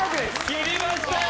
切りましたよ。